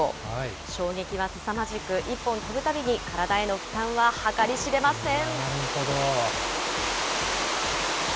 衝撃はすさまじく、１本飛ぶたびに、体への負担は計り知れません。